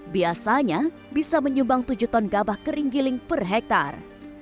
biasanya bisa menyumbang tujuh ton gabah kering giling per hektare